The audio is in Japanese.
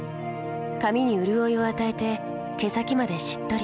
髪にうるおいを与えて毛先までしっとり。